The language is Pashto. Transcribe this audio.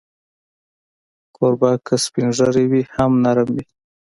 کوربه که سپین ږیری وي، هم نرم وي.